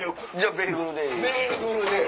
ベーグルで。